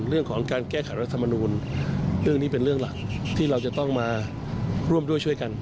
เรื่องนี้เป็นเรื่องหลักที่เราจะต้องมาร่วมด้วยช่วยกัน